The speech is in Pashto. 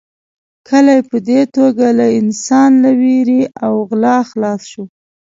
کلی په دې توګه له انسان له وېرې او غلا خلاص شو.